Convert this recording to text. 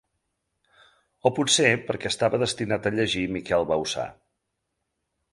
O potser perquè estava destinat a llegir Miquel Bauçà.